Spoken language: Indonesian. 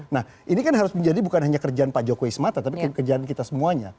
nah ini kan harus menjadi bukan hanya kerjaan pak jokowi semata tapi kerjaan kita semuanya